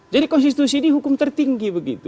jadi konstitusi ini hukum tertinggi begitu